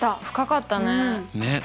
深かったね。